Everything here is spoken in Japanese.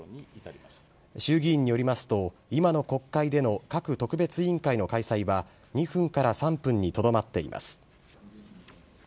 衆議院によりますと、今の国会での各特別委員会の開催は２分から３分にとどまっています。